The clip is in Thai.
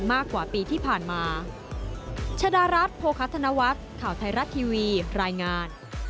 มากกว่าปีที่ผ่านมา